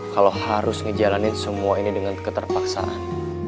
kalau harus ngejalanin semua ini dengan keterpaksaan